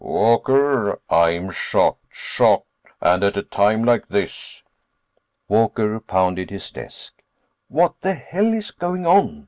"Walker, I'm shocked. Shocked. And at a time like this...." Walker pounded his desk. "What the hell is going on?